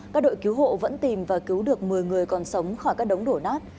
các đội cứu hộ vẫn tìm và cứu được một mươi người còn sống khỏi các đống đổ nát